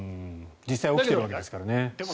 実際起きているわけですからね。